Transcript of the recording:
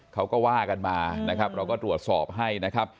เขาก็ว่ากันมานะครับเราก็ตรวจสอบให้นะครับ